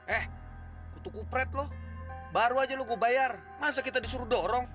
eh kutukupret lo baru aja lo gue bayar masa kita disuruh dorong